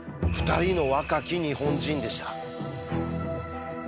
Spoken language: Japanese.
２人の若き日本人でした。